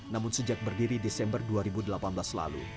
namun sejak berdiri desember dua ribu delapan belas lalu